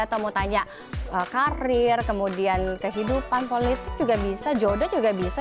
atau mau tanya karir kemudian kehidupan politik juga bisa jodoh juga bisa